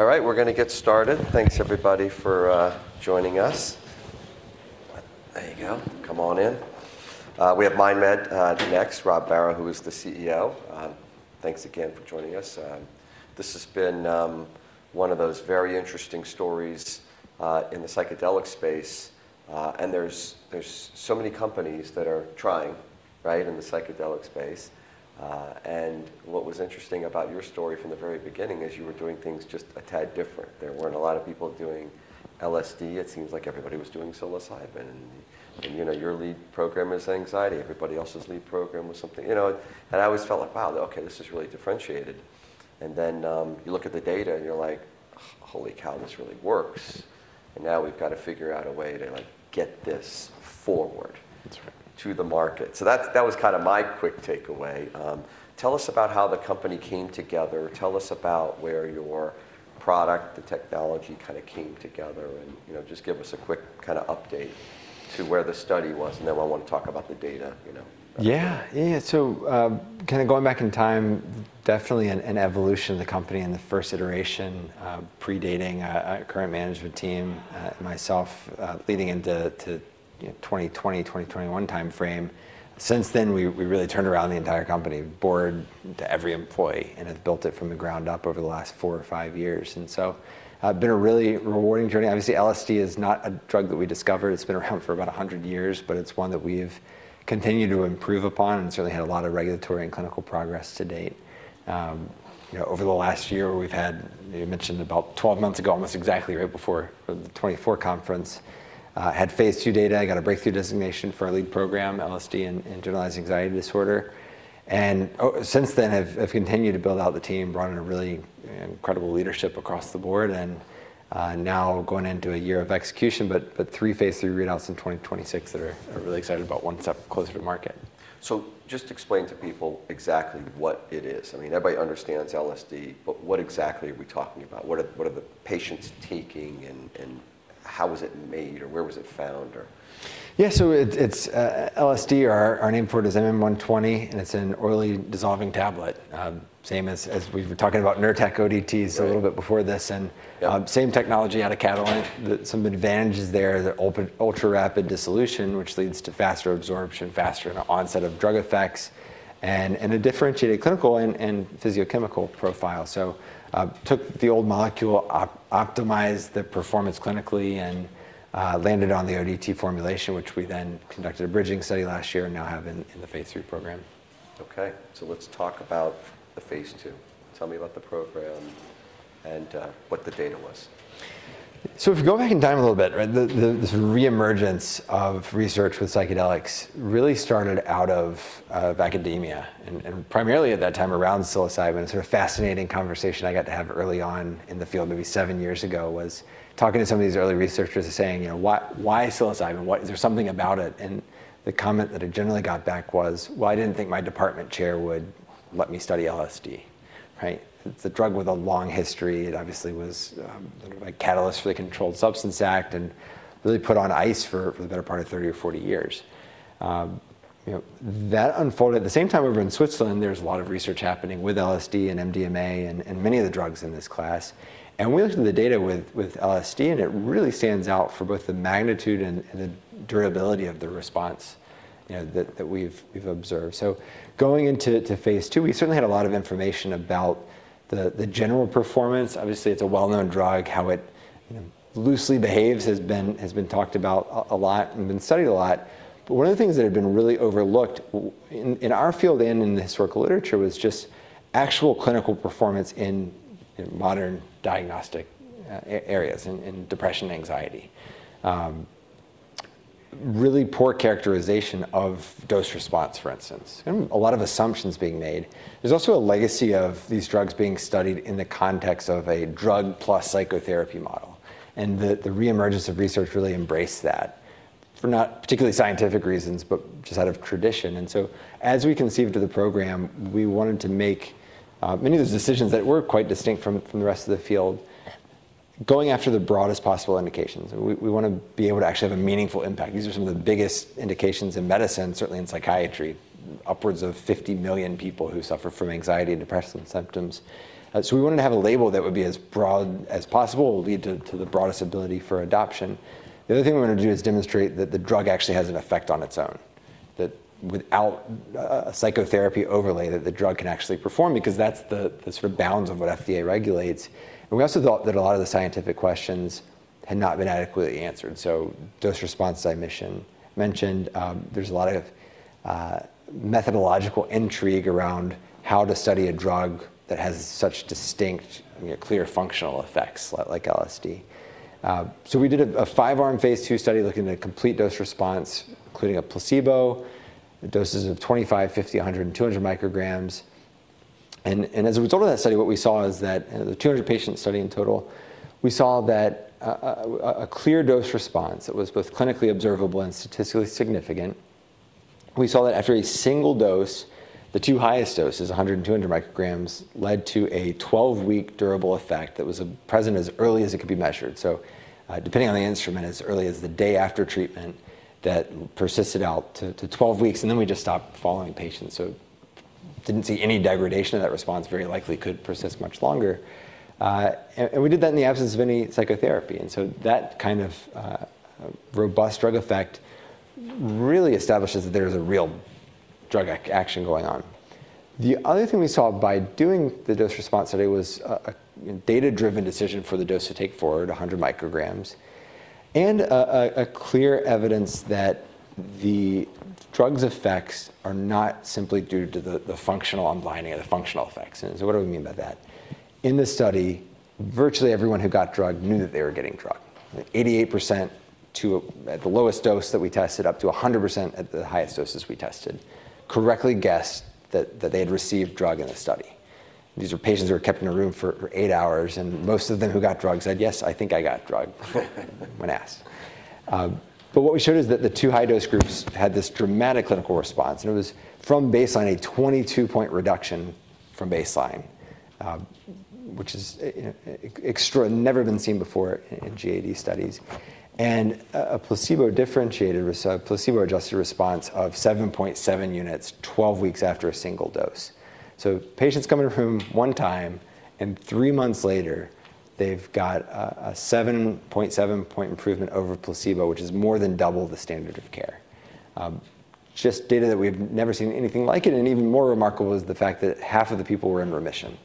Yeah, yeah, yeah. All right, we're going to get started. Thanks, everybody, for joining us. There you go. Come on in. We have MindMed next, Rob Barrow, who is the CEO. Thanks again for joining us. This has been one of those very interesting stories in the psychedelic space. There are so many companies that are trying, right, in the psychedelic space. What was interesting about your story from the very beginning is you were doing things just a tad different. There were not a lot of people doing LSD. It seems like everybody was doing psilocybin. You know your lead program is anxiety. Everybody else's lead program was something, you know. I always felt like, wow, okay, this is really differentiated. You look at the data, and you are like, holy cow, this really works. Now we've got to figure out a way to get this forward to the market. That was kind of my quick takeaway. Tell us about how the company came together. Tell us about where your product, the technology, kind of came together. Just give us a quick kind of update to where the study was. Then we'll want to talk about the data. Yeah, yeah. Kind of going back in time, definitely an evolution of the company in the first iteration, predating our current management team, myself, leading into 2020, 2021 time frame. Since then, we really turned around the entire company, board to every employee, and have built it from the ground up over the last four or five years. It has been a really rewarding journey. Obviously, LSD is not a drug that we discovered. It has been around for about 100 years. It is one that we have continued to improve upon and certainly had a lot of regulatory and clinical progress to date. Over the last year, you mentioned about 12 months ago, almost exactly right before the 2024 conference, had phase II data, got a breakthrough designation for our lead program, LSD and generalized anxiety disorder. Since then, have continued to build out the team, brought in a really incredible leadership across the board. Now going into a year of execution, but three phase III readouts in 2026. that are really excited about one step closer to market. Just explain to people exactly what it is. I mean, everybody understands LSD, but what exactly are we talking about? What are the patients taking, and how was it made, or where was it found? Yeah, so LSD, our name for it is MM-120. It's an orally dissolving tablet, same as we've been talking about Nurtec ODTs a little bit before this. Same technology out of Catalent. Some advantages there, the ultra-rapid dissolution, which leads to faster absorption, faster onset of drug effects, and a differentiated clinical and physiochemical profile. Took the old molecule, optimized the performance clinically, and landed on the ODT formulation, which we then conducted a bridging study last year and now have in the phase III program. okay, so let's talk about the phase II. Tell me about the program and what the data was. If we go back in time a little bit, this reemergence of research with psychedelics really started out of academia. And primarily at that time around psilocybin, a sort of fascinating conversation I got to have early on in the field maybe seven years ago was talking to some of these early researchers saying, why psilocybin? Is there something about it? The comment that I generally got back was, well, I didn't think my department chair would let me study LSD. It's a drug with a long history. It obviously was a catalyst for the Controlled Substances Act and really put on ice for the better part of 30 or 40 years. That unfolded. At the same time, over in Switzerland, there's a lot of research happening with LSD and MDMA and many of the drugs in this class. We looked at the data with LSD, and it really stands out for both the magnitude and the durability of the response that we've observed. Going into phase II, we certainly had a lot of information about the general performance. Obviously, it's a well-known drug. How it loosely behaves has been talked about a lot and been studied a lot. One of the things that had been really overlooked in our field and in the historical literature was just actual clinical performance in modern diagnostic areas in depression and anxiety. Really poor characterization of dose response, for instance. A lot of assumptions being made. There's also a legacy of these drugs being studied in the context of a drug plus psychotherapy model. The reemergence of research really embraced that, for not particularly scientific reasons, but just out of tradition. As we conceived of the program, we wanted to make many of those decisions that were quite distinct from the rest of the field, going after the broadest possible indications. We want to be able to actually have a meaningful impact. These are some of the biggest indications in medicine, certainly in psychiatry, upwards of 50 million people who suffer from anxiety and depressive symptoms. We wanted to have a label that would be as broad as possible and lead to the broadest ability for adoption. The other thing we wanted to do is demonstrate that the drug actually has an effect on its own, that without a psychotherapy overlay, the drug can actually perform, because that's the sort of bounds of what FDA regulates. We also thought that a lot of the scientific questions had not been adequately answered. Dose response dimension mentioned, there's a lot of methodological intrigue around how to study a drug that has such distinct, clear functional effects like LSD. We did a five-arm phase 2 study looking at a complete dose response, including a placebo, doses of 25, 50, 100, and 200 micrograms. As a result of that study, what we saw is that the 200 patients study in total, we saw that a clear dose response that was both clinically observable and statistically significant, we saw that after a single dose, the two highest doses, 100 and 200 micrograms, led to a 12-week durable effect that was present as early as it could be measured. Depending on the instrument, as early as the day after treatment, that persisted out to 12 weeks. We just stopped following patients. Didn't see any degradation of that response very likely could persist much longer. We did that in the absence of any psychotherapy. That kind of robust drug effect really establishes that there is a real drug action going on. The other thing we saw by doing the dose response study was a data-driven decision for the dose to take forward, 100 micrograms, and clear evidence that the drug's effects are not simply due to the functional unwinding of the functional effects. What do we mean by that? In the study, virtually everyone who got drugged knew that they were getting drugged. 88% at the lowest dose that we tested, up to 100% at the highest doses we tested, correctly guessed that they had received drug in the study. These were patients who were kept in a room for eight hours. Most of them who got drugged said, yes, I think I got drugged when asked. What we showed is that the two high-dose groups had this dramatic clinical response. It was from baseline, a 22-point reduction from baseline, which has never been seen before in GAD studies. A placebo-differentiated, so a placebo-adjusted response of 7.7 units 12 weeks after a single dose. Patients come in room one time, and three months later, they've got a 7.7-point improvement over placebo, which is more than double the standard of care. Just data that we have never seen anything like it. Even more remarkable is the fact that half of the people were in remission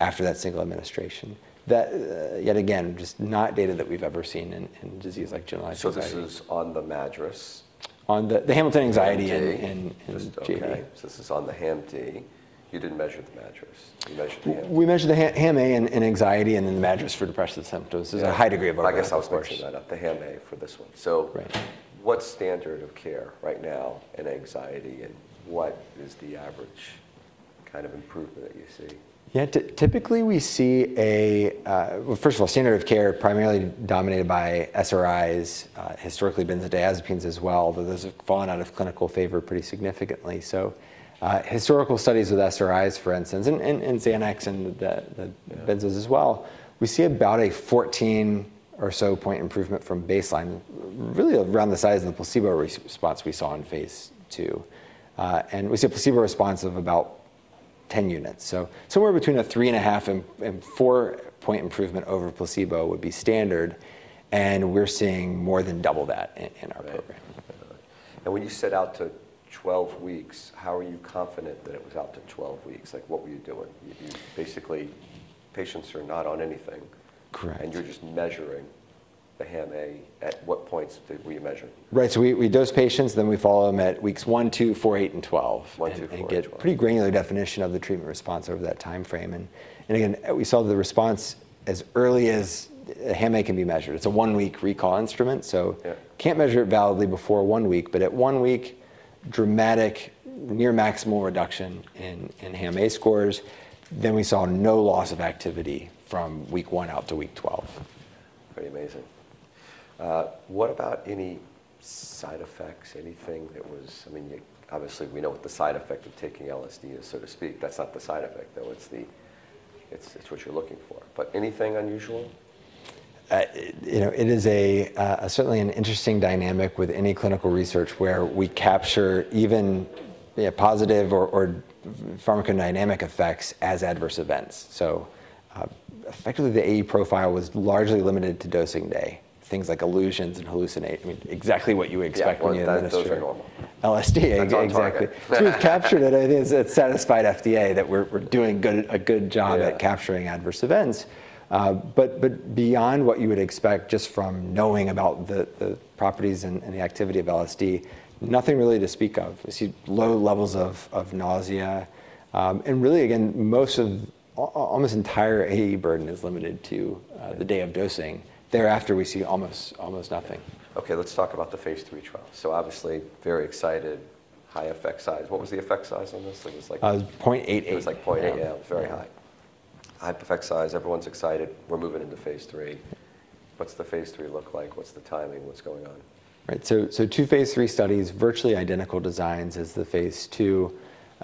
after that single administration. Yet again, just not data that we've ever seen in disease like generalized anxiety. So this is this on the MADRS? On the HAMD and GAD. This is on the HAMD? You did not measure the MADRS. You measured the HAMD? We measured the HAM-A and anxiety and then the MADRS for depressive symptoms. There's a high degree of overlap. I guess I was measuring that up, the HAM-A for this one. What's standard of care right now in anxiety, and what is the average kind of improvement that you see? Yeah, typically we see a, first of all, standard of care primarily dominated by SRIs, historically benzodiazepines as well, although those have fallen out of clinical favor pretty significantly. Historical studies with SRIs, for instance, and Xanax and the benzos as well, we see about a 14 or so-point improvement from baseline, really around the size of the placebo response we saw in phase II. We see a placebo response of about 10 units. Somewhere between a 3.5-4-point improvement over placebo would be standard. We're seeing more than double that in our program. When you set out to 12 weeks, how are you confident that it was out to 12 weeks? What were you doing? Basically, patients are not on anything. Correct. You're just measuring the HAM-A. At what points were you measuring? Right, so we dose patients, then we follow them at weeks 1, 2, 4, 8, and 12. One, two, four, eight, twelve. You get a pretty granular definition of the treatment response over that time frame. Again, we saw the response as early as the HAM-A can be measured. It's a one-week recall instrument, so you can't measure it validly before one week. At one week, dramatic near-maximal reduction in HAM-A scores. We saw no loss of activity from week 1 out to week 12. Pretty amazing. What about any side effects, anything that was, I mean, obviously, we know what the side effect of taking LSD is, so to speak. That's not the side effect, though. It's what you're looking for. Anything unusual? It is certainly an interesting dynamic with any clinical research where we capture even positive or pharmacodynamic effects as adverse events. Effectively, the AE profile was largely limited to dosing day. Things like illusions and hallucinations, I mean, exactly what you would expect when you're on this dose of normal. LSD, exactly. To capture that, I think it satisfied FDA that we're doing a good job at capturing adverse events. Beyond what you would expect just from knowing about the properties and the activity of LSD, nothing really to speak of. We see low levels of nausea. Really, again, almost entire AE burden is limited to the day of dosing. Thereafter, we see almost nothing. okay, let's talk about the phase III trial. Obviously, very excited, high effect size. What was the effect size on this? It was 0.88. It was like 0.88, very high. High effect size, everyone's excited, we're moving into phase III. What's the phase III look like? What's the timing? What's going on? Right, two phase III studies, virtually identical designs as the phase II,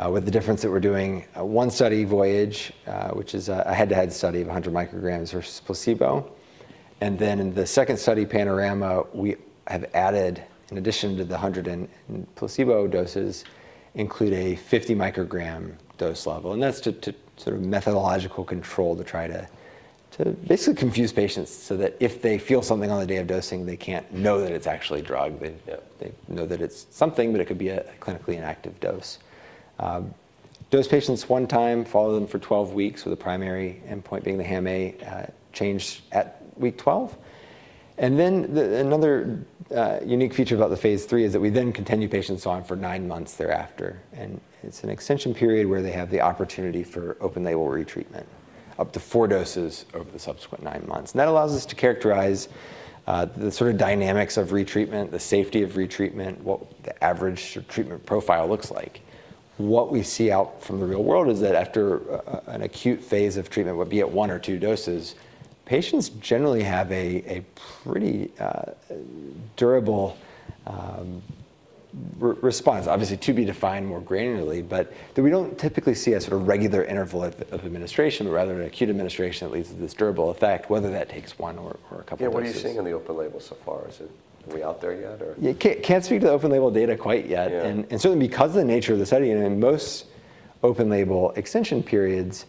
with the difference that we're doing one study, Voyage, which is a head-to-head study of 100 micrograms versus placebo. In the second study, Panorama, we have added, in addition to the 100 and placebo doses, a 50 microgram dose level. That's to sort of methodological control to try to basically confuse patients so that if they feel something on the day of dosing, they can't know that it's actually drug. They know that it's something, but it could be a clinically inactive dose. Dose patients one time, follow them for 12 weeks, with the primary endpoint being the HAM-A change at week 12. Another unique feature about the phase III is that we then continue patients on for nine months thereafter. It's an extension period where they have the opportunity for open label retreatment, up to four doses over the subsequent nine months. That allows us to characterize the sort of dynamics of retreatment, the safety of retreatment, what the average treatment profile looks like. What we see out from the real world is that after an acute phase of treatment, what be at one or two doses, patients generally have a pretty durable response, obviously to be defined more granularly, but that we don't typically see a sort of regular interval of administration, but rather an acute administration that leads to this durable effect, whether that takes one or a couple of days. Yeah, what are you seeing on the open label so far? Are we out there yet? Yeah, can't speak to the open label data quite yet. Certainly because of the nature of the study, in most open label extension periods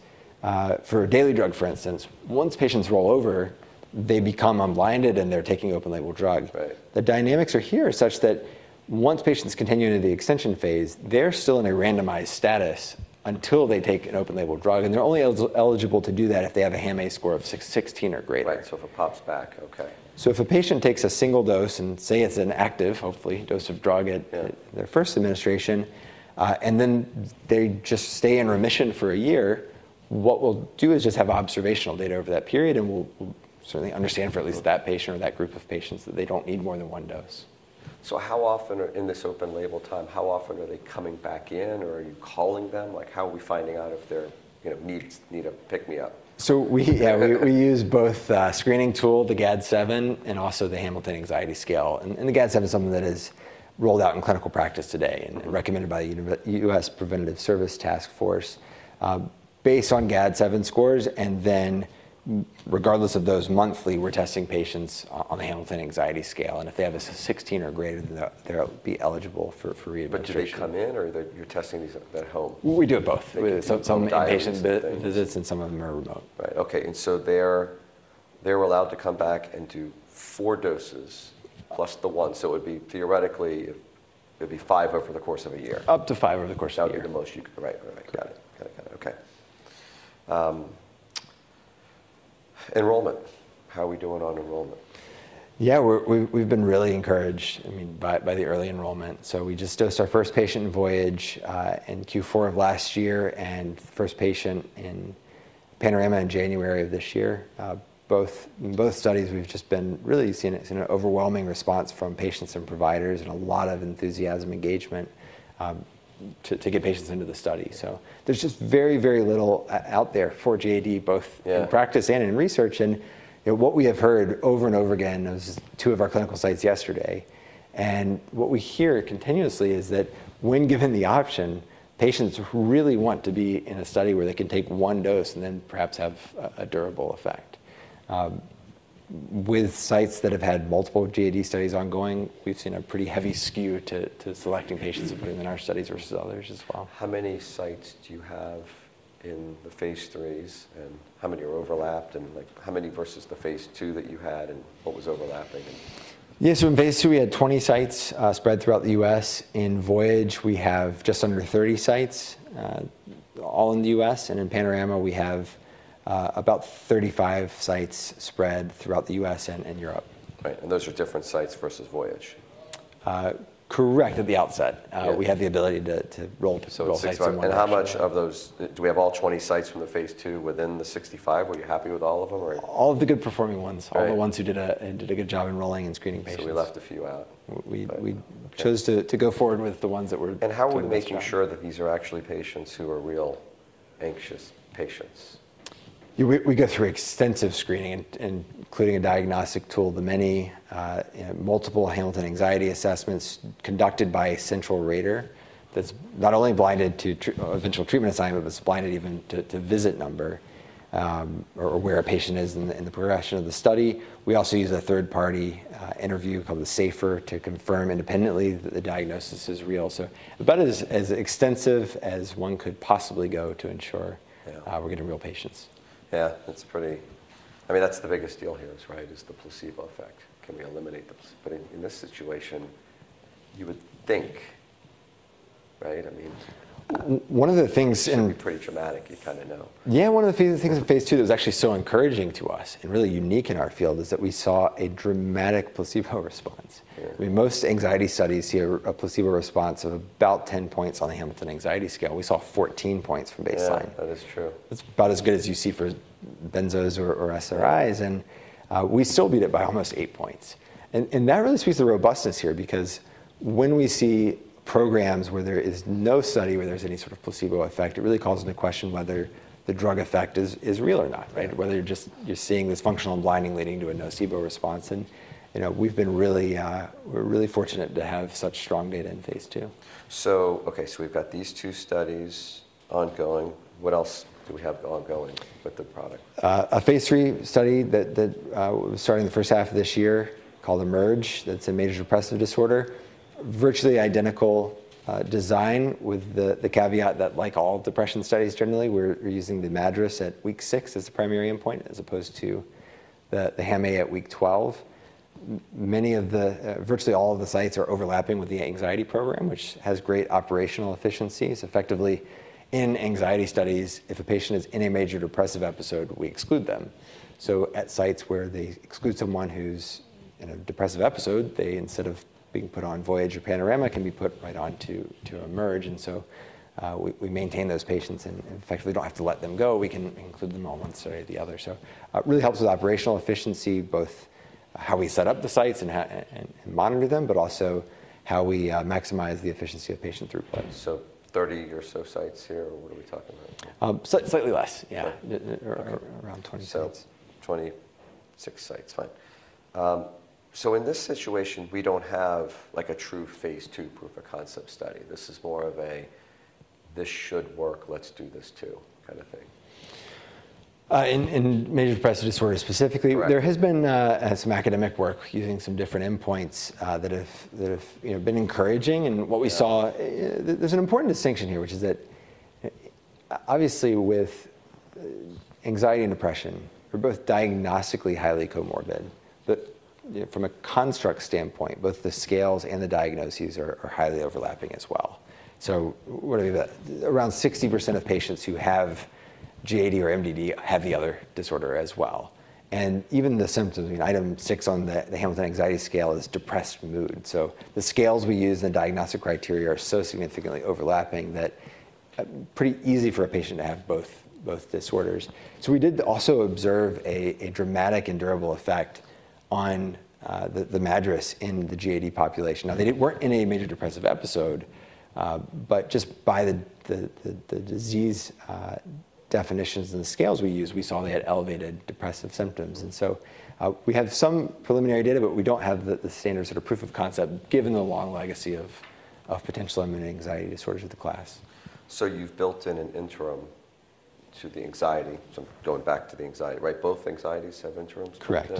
for a daily drug, for instance, once patients roll over, they become unblinded and they're taking open label drugs. The dynamics are here such that once patients continue into the extension phase, they're still in a randomized status until they take an open label drug. They're only eligible to do that if they have a HAM-A score of 16 or greater. Right, so if it pops back, okay. If a patient takes a single dose and say it's an active, hopefully, dose of drug at their first administration, and then they just stay in remission for a year, what we'll do is just have observational data over that period. We'll certainly understand for at least that patient or that group of patients that they don't need more than one dose. How often in this open label time, how often are they coming back in? Or are you calling them? How are we finding out if they need a pick-me-up? Yeah, we use both the screening tool, the GAD-7, and also the Hamilton Anxiety Scale. The GAD-7 is something that is rolled out in clinical practice today and recommended by the U.S. Preventive Services Task Force based on GAD-7 scores. Regardless of those, monthly, we're testing patients on the Hamilton Anxiety Scale. If they have a 16 or greater, they'll be eligible for readmission. Do they come in or you're testing them at home? We do both. Some in-patient visits and some of them are remote. Right, okay. They were allowed to come back and do four doses plus the one. It would be, theoretically, it would be five over the course of a year. Up to five over the course of a year. That would be the most you could, right, right, got it, got it, got it. okay. Enrollment, how are we doing on enrollment? Yeah, we've been really encouraged, I mean, by the early enrollment. We just dosed our first patient in Voyage in Q4 of last year and first patient in Panorama in January of this year. Both studies, we've just been really seeing an overwhelming response from patients and providers and a lot of enthusiasm engagement to get patients into the study. There is just very, very little out there for GAD, both in practice and in research. What we have heard over and over again, it was two of our clinical sites yesterday. What we hear continuously is that when given the option, patients really want to be in a study where they can take one dose and then perhaps have a durable effect. With sites that have had multiple GAD studies ongoing, we've seen a pretty heavy skew to selecting patients and putting them in our studies versus others as well. How many sites do you have in the phase IIIs? How many are overlapped? How many versus the phase II that you had? What was overlapping? Yeah, so in phase II, we had 20 sites spread throughout the U.S. In Voyage, we have just under 30 sites all in the U.S. In Panorama, we have about 35 sites spread throughout the U.S. and Europe. Right, and those are different sites versus Voyage? Correct, at the outset. We had the ability to roll. How much of those do we have all 20 sites from the phase II within the 65? Were you happy with all of them? All of the good performing ones, all the ones who did a good job in rolling and screening patients. We left a few out. We chose to go forward with the ones that were. How are we making sure that these are actually patients who are real anxious patients? We go through extensive screening, including a diagnostic tool, the many multiple Hamilton anxiety assessments conducted by a central rater that's not only blinded to eventual treatment assignment, but it's blinded even to visit number or where a patient is in the progression of the study. We also use a third-party interview called the SAFER to confirm independently that the diagnosis is real. About as extensive as one could possibly go to ensure we're getting real patients. Yeah, that's pretty, I mean, that's the biggest deal here, right, is the placebo effect. Can we eliminate the placebo? In this situation, you would think, right? I mean. One of the things in. It would be pretty dramatic, you kind of know. Yeah, one of the things in phase II that was actually so encouraging to us and really unique in our field is that we saw a dramatic placebo response. I mean, most anxiety studies see a placebo response of about 10 points on the Hamilton Anxiety Rating Scale. We saw 14 points from baseline. Yeah, that is true. It's about as good as you see for benzos or SRIs. We still beat it by almost eight points. That really speaks to the robustness here, because when we see programs where there is no study where there's any sort of placebo effect, it really calls into question whether the drug effect is real or not, right? Whether you're just seeing this functional blinding leading to a nocebo response. We've been really fortunate to have such strong data in phase II. okay, so we've got these two studies ongoing. What else do we have ongoing with the product? A phase III study that was starting the first half of this year called Emerge, that's a major depressive disorder, virtually identical design with the caveat that, like all depression studies generally, we're using the MADRS at week six as the primary endpoint as opposed to the HAM-A at week 12. Virtually all of the sites are overlapping with the anxiety program, which has great operational efficiencies. Effectively, in anxiety studies, if a patient is in a major depressive episode, we exclude them. At sites where they exclude someone who's in a depressive episode, they instead of being put on Voyage or Panorama, can be put right on to Emerge. We maintain those patients and effectively don't have to let them go. We can include them all one study or the other. It really helps with operational efficiency, both how we set up the sites and monitor them, but also how we maximize the efficiency of patient throughput. 30 or so sites here, what are we talking about? Slightly less, yeah, around 20 sites. Twenty-six sites, fine. In this situation, we do not have like a true phase II proof of concept study. This is more of a, this should work, let's do this too, kind of thing. In major depressive disorders specifically, there has been some academic work using some different endpoints that have been encouraging. What we saw, there's an important distinction here, which is that obviously with anxiety and depression, they're both diagnostically highly comorbid. From a construct standpoint, both the scales and the diagnoses are highly overlapping as well. What are we about? Around 60% of patients who have GAD or MDD have the other disorder as well. Even the symptoms, I mean, item six on the Hamilton Anxiety Rating Scale is depressed mood. The scales we use and the diagnostic criteria are so significantly overlapping that it's pretty easy for a patient to have both disorders. We did also observe a dramatic and durable effect on the MADRS in the GAD population. Now, they weren't in a major depressive episode. Just by the disease definitions and the scales we used, we saw they had elevated depressive symptoms. We have some preliminary data, but we do not have the standard sort of proof of concept given the long legacy of potential immune anxiety disorders of the class. You've built in an interim to the anxiety, going back to the anxiety, right? Both anxieties have interims. Correct.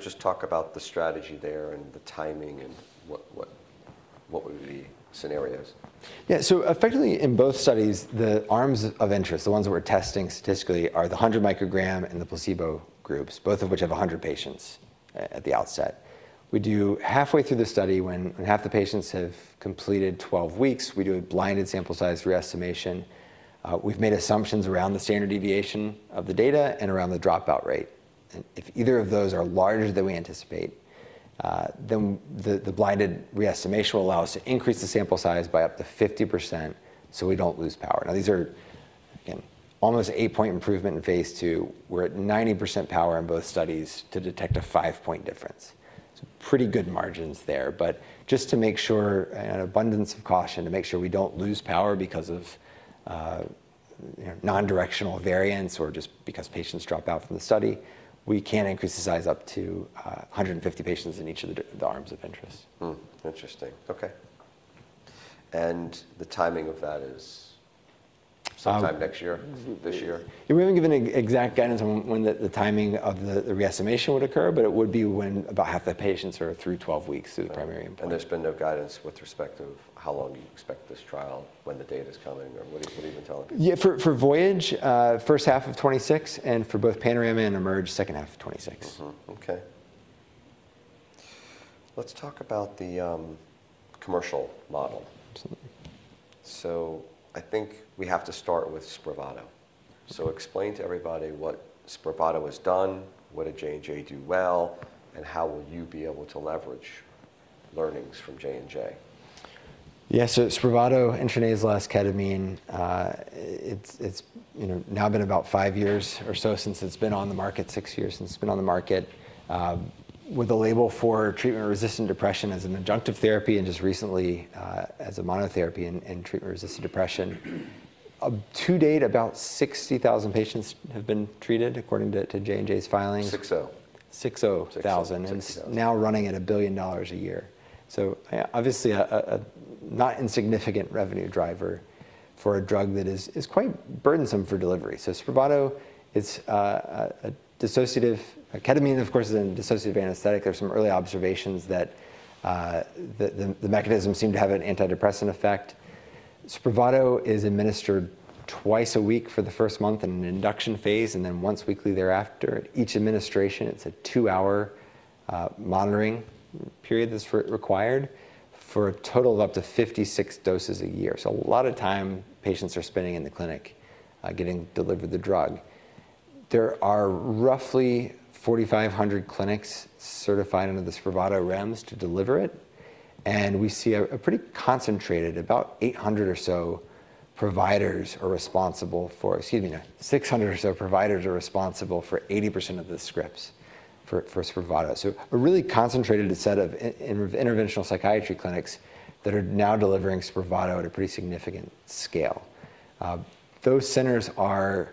Just talk about the strategy there and the timing and what would be scenarios. Yeah, so effectively in both studies, the arms of interest, the ones that we're testing statistically, are the 100 microgram and the placebo groups, both of which have 100 patients at the outset. We do halfway through the study when half the patients have completed 12 weeks, we do a blinded sample size re-estimation. We've made assumptions around the standard deviation of the data and around the dropout rate. If either of those are larger than we anticipate, then the blinded re-estimation will allow us to increase the sample size by up to 50% so we don't lose power. Now, these are almost an eight-point improvement in phase II. We're at 90% power in both studies to detect a five-point difference. So pretty good margins there. Just to make sure, an abundance of caution to make sure we don't lose power because of non-directional variance or just because patients drop out from the study, we can increase the size up to 150 patients in each of the arms of interest. Interesting, okay. The timing of that is sometime next year, this year? We haven't given exact guidance on when the timing of the re-estimation would occur, but it would be when about half the patients are through 12 weeks through the primary endpoint. There has been no guidance with respect to how long you expect this trial, when the data is coming, or what are you even telling people? Yeah, for Voyage, first half of 2026, and for both Panorama and Emerge, second half of 2026. okay. Let's talk about the commercial model. I think we have to start with Spravato. Explain to everybody what Spravato has done, what did J&J do well, and how will you be able to leverage learnings from J&J? Yeah, so Spravato, intranasal esketamine, it's now been about five years or so since it's been on the market, six years since it's been on the market, with a label for treatment-resistant depression as an adjunctive therapy and just recently as a monotherapy in treatment-resistant depression. To date, about 60,000 patients have been treated according to J&J's filings. 60. $60,000, and now running at $1 billion a year. Obviously a not insignificant revenue driver for a drug that is quite burdensome for delivery. Spravato, it's a dissociative. Ketamine, of course, is a dissociative anesthetic. There are some early observations that the mechanism seemed to have an antidepressant effect. Spravato is administered twice a week for the first month in an induction phase and then once weekly thereafter. Each administration, it's a two-hour monitoring period that's required for a total of up to 56 doses a year. A lot of time patients are spending in the clinic getting delivered the drug. There are roughly 4,500 clinics certified under the Spravato realms to deliver it. We see a pretty concentrated, about 800 or so providers are responsible for, excuse me, 600 or so providers are responsible for 80% of the scripts for Spravato. A really concentrated set of interventional psychiatry clinics that are now delivering Spravato at a pretty significant scale. Those centers are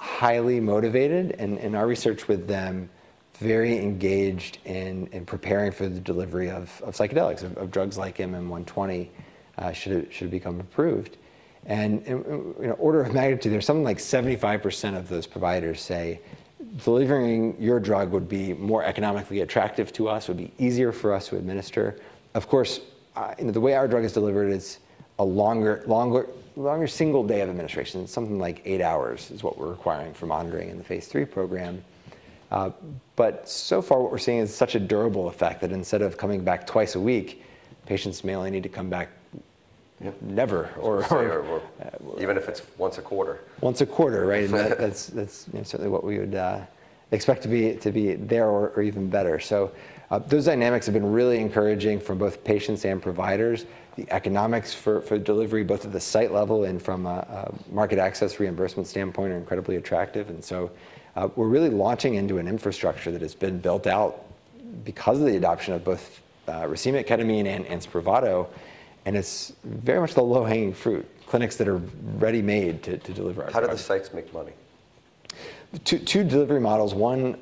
highly motivated, and our research with them very engaged in preparing for the delivery of psychedelics, of drugs like MM-120, should it become approved. In order of magnitude, there's something like 75% of those providers say, delivering your drug would be more economically attractive to us, would be easier for us to administer. Of course, the way our drug is delivered, it's a longer single day of administration. Something like eight hours is what we're requiring for monitoring in the phase 3 program. So far, what we're seeing is such a durable effect that instead of coming back twice a week, patients may only need to come back never. Even if it's once a quarter. Once a quarter, right? That's certainly what we would expect to be there or even better. Those dynamics have been really encouraging for both patients and providers. The economics for delivery, both at the site level and from a market access reimbursement standpoint, are incredibly attractive. We are really launching into an infrastructure that has been built out because of the adoption of both racemic ketamine and Spravato. It is very much the low-hanging fruit, clinics that are ready-made to deliver our drug. How do the sites make money? Two delivery models. One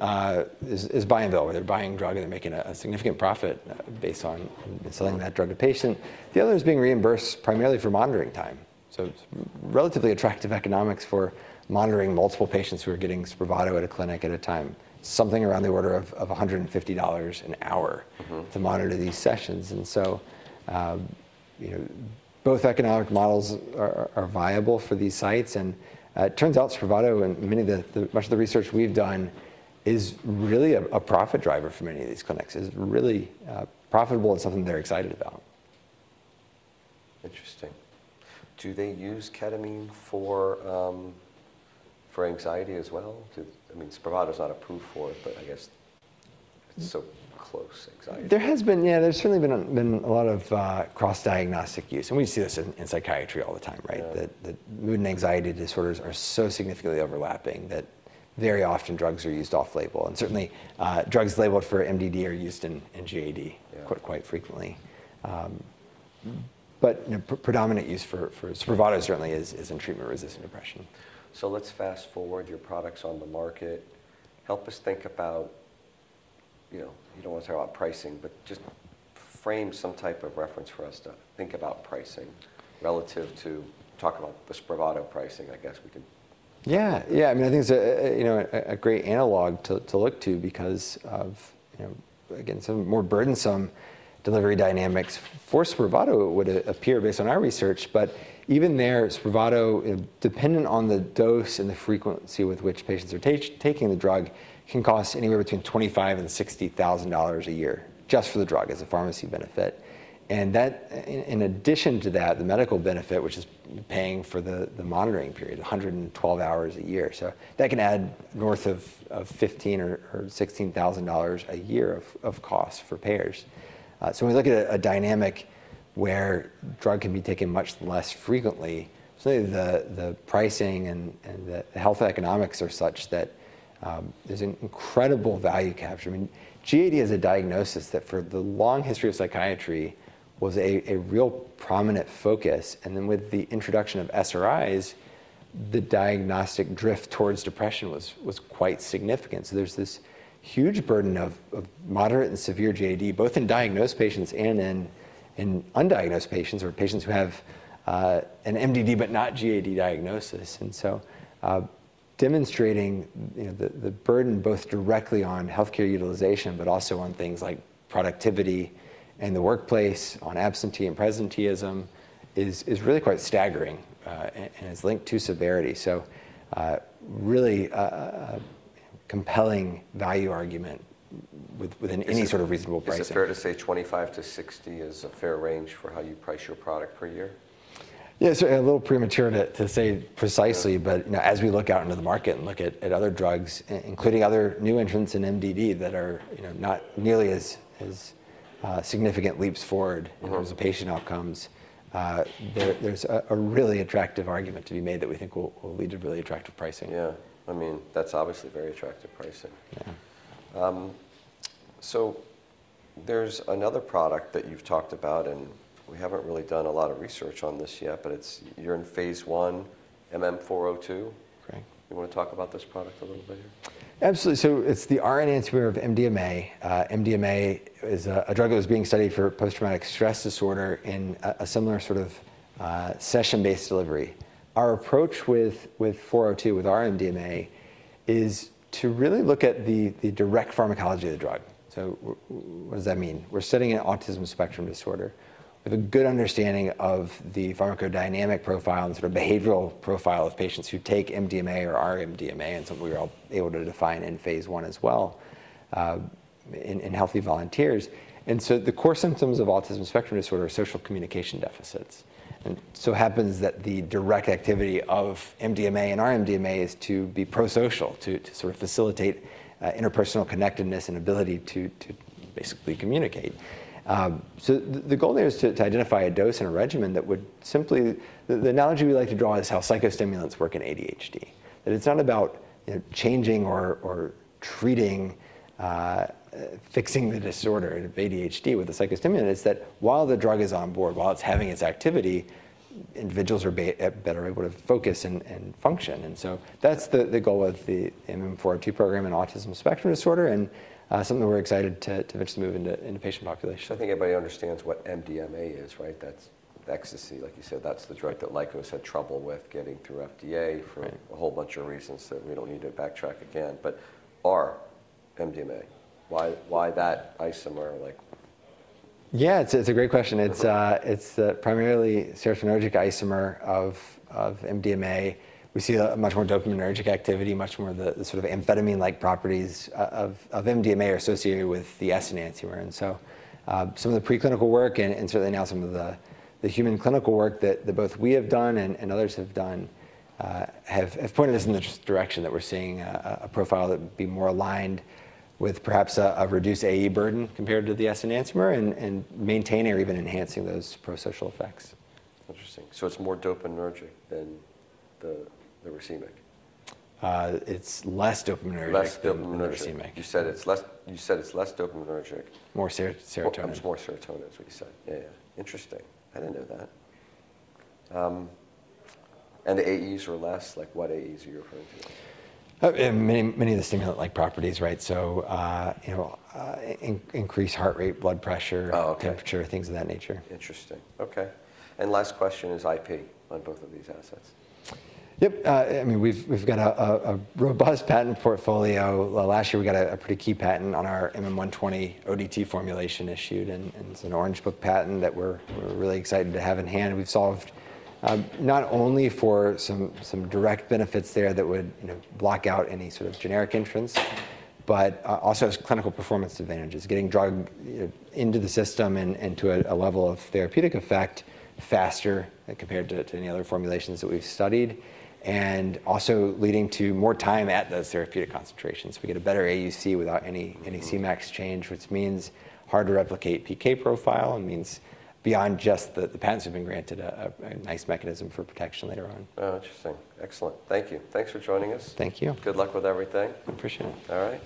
is buy and bill. They're buying drug, and they're making a significant profit based on selling that drug to patients. The other is being reimbursed primarily for monitoring time. It is relatively attractive economics for monitoring multiple patients who are getting Spravato at a clinic at a time, something around the order of $150 an hour to monitor these sessions. Both economic models are viable for these sites. It turns out Spravato and much of the research we've done is really a profit driver for many of these clinics, is really profitable and something they're excited about. Interesting. Do they use ketamine for anxiety as well? I mean, Spravato's not approved for it, but I guess it's so close, anxiety. There has been, yeah, there's certainly been a lot of cross-diagnostic use. We see this in psychiatry all the time, right? That mood and anxiety disorders are so significantly overlapping that very often drugs are used off-label. Certainly, drugs labeled for MDD are used in GAD quite frequently. The predominant use for Spravato certainly is in treatment-resistant depression. Let's fast forward, your product's on the market. Help us think about, you don't want to talk about pricing, but just frame some type of reference for us to think about pricing relative to, talk about the Spravato pricing, I guess we can. Yeah, yeah, I mean, I think it's a great analog to look to because of, again, some more burdensome delivery dynamics for Spravato would appear based on our research. Even there, Spravato, dependent on the dose and the frequency with which patients are taking the drug, can cost anywhere between $25,000 and $60,000 a year just for the drug as a pharmacy benefit. In addition to that, the medical benefit, which is paying for the monitoring period, 112 hours a year. That can add north of $15,000 or $16,000 a year of cost for payers. When we look at a dynamic where drug can be taken much less frequently, certainly the pricing and the health economics are such that there's an incredible value capture. I mean, GAD is a diagnosis that for the long history of psychiatry was a real prominent focus. With the introduction of SRIs, the diagnostic drift towards depression was quite significant. There is this huge burden of moderate and severe GAD, both in diagnosed patients and in undiagnosed patients or patients who have an MDD but not GAD diagnosis. Demonstrating the burden both directly on health care utilization, but also on things like productivity and the workplace, on absentee and presenteeism, is really quite staggering and is linked to severity. There is a really compelling value argument within any sort of reasonable pricing. Is it fair to say 25-60 is a fair range for how you price your product per year? Yeah, certainly a little premature to say precisely. As we look out into the market and look at other drugs, including other new entrants in MDD that are not nearly as significant leaps forward in terms of patient outcomes, there's a really attractive argument to be made that we think will lead to really attractive pricing. Yeah, I mean, that's obviously very attractive pricing. There is another product that you've talked about, and we haven't really done a lot of research on this yet, but you're in phase I, MM-402. You want to talk about this product a little bit? Absolutely. It is the R-enantiomer of MDMA. MDMA is a drug that was being studied for post-traumatic stress disorder in a similar sort of session-based delivery. Our approach with 402, with our MDMA, is to really look at the direct pharmacology of the drug. What does that mean? We are studying in autism spectrum disorder. We have a good understanding of the pharmacodynamic profile and sort of behavioral profile of patients who take MDMA or our MDMA, and we were able to define in phase I as well in healthy volunteers. The core symptoms of autism spectrum disorder are social communication deficits. It happens that the direct activity of MDMA and our MDMA is to be prosocial, to sort of facilitate interpersonal connectedness and ability to basically communicate. The goal there is to identify a dose and a regimen that would, simply, the analogy we like to draw is how psychostimulants work in ADHD. That it's not about changing or treating, fixing the disorder of ADHD with a psychostimulant. It's that while the drug is on board, while it's having its activity, individuals are better able to focus and function. That is the goal of the MM-402 program in autism spectrum disorder and something we're excited to eventually move into patient population. I think everybody understands what MDMA is, right? That's ecstasy. Like you said, that's the drug that Lykos had trouble with getting through FDA for a whole bunch of reasons that we do not need to backtrack again. But our MDMA, why that isomer? Yeah, it's a great question. It's primarily serotonergic isomer of MDMA. We see a much more dopaminergic activity, much more of the sort of amphetamine-like properties of MDMA are associated with the S-enantiomer. Some of the preclinical work and certainly now some of the human clinical work that both we have done and others have done have pointed us in the direction that we're seeing a profile that would be more aligned with perhaps a reduced AE burden compared to the S-enantiomer and maintaining or even enhancing those prosocial effects. Interesting. So it's more dopaminergic than the racemic? It's less dopaminergic. Less dopaminergic. You said it's less dopaminergic. More serotonin. It's more serotonin, is what you said. Yeah, yeah. Interesting. I didn't know that. And the AEs are less? Like what AEs are you referring to? Many of the stimulant-like properties, right? Increased heart rate, blood pressure, temperature, things of that nature. Interesting. okay. Last question is IP on both of these assets. Yep. I mean, we've got a robust patent portfolio. Last year, we got a pretty key patent on our MM-120 ODT formulation issued. It's an Orange Book patent that we're really excited to have in hand. We've solved not only for some direct benefits there that would block out any sort of generic entrants, but also clinical performance advantages, getting drug into the system and to a level of therapeutic effect faster compared to any other formulations that we've studied, and also leading to more time at those therapeutic concentrations. We get a better AUC without any Cmax change, which means harder to replicate PK profile. It means beyond just the patents have been granted a nice mechanism for protection later on. Oh, interesting. Excellent. Thank you. Thanks for joining us. Thank you. Good luck with everything. Appreciate it. All right.